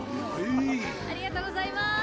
ありがとうございます